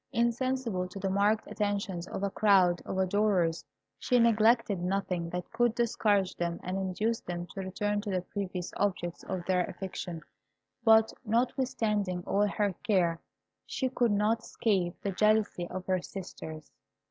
Insensible to the marked attentions of a crowd of adorers, she neglected nothing that could discourage them and induce them to return to the previous objects of their affection; but, notwithstanding all her care, she could not escape the jealousy of her sisters.